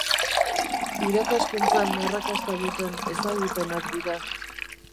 Irakaskuntzan arrakasta duten ezagupenak dira.